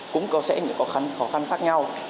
cũng có sẽ những khó khăn khác nhau